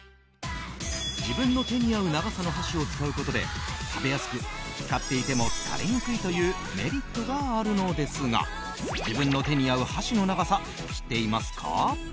自分の手に合う長さの箸を使うことで、食べやすく使っていても疲れにくいというメリットがあるのですが自分の手に合う箸の長さ知っていますか？